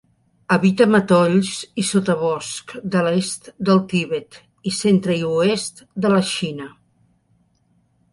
Habita matolls i sotabosc de l'est del Tibet i centre i oest de la Xina.